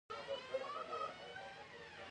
جگر د وینې د شکر کچه کنټرول کوي.